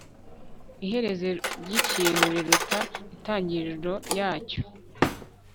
iherezo ry'ikintu riruta intangiriro yacyo